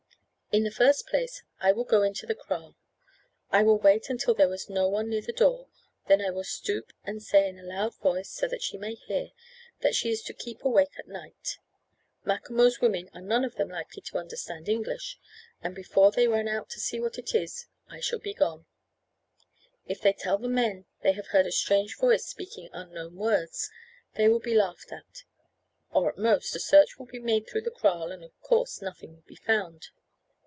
In the first place, I will go into the kraal. I will wait until there is no one near the door, then I will stoop and say in a loud voice, so that she may hear, that she is to keep awake at night. Macomo's women are none of them likely to understand English, and before they run out to see what it is, I shall be gone. If they tell the men they have heard a strange voice speaking unknown words, they will be laughed at, or at most a search will be made through the kraal, and of course nothing will be found.